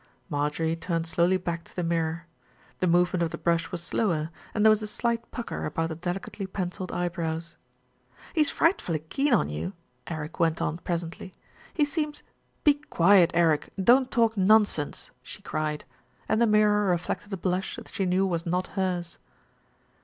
Marjorie turned slowly back to the mirror. The movement of the brush was slower, and there was a slight pucker about the delicately pencilled eyebrows. "He's frightfully keen on you," Eric went on pres ently. "He seems ' "Be quiet, Eric, and don't talk nonsense," she cried, 222 THE RETURN OF ALFRED and the mirror reflected a blush that she knew was not hers.